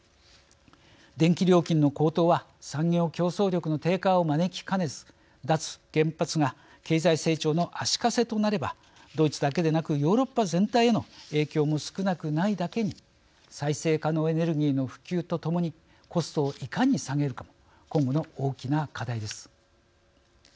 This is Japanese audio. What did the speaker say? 電気料金の高騰は産業競争力の低下を招きかねず脱原発が経済成長の足かせとなればドイツだけでなくヨーロッパ全体への影響も少なくないだけに再生可能エネルギーの普及とともにコストをいかに下げるかも今後の大きな課題です。